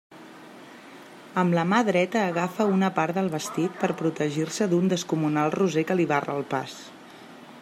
Amb la mà dreta agafa una part del vestit per a protegir-se d'un descomunal roser que li barra el pas.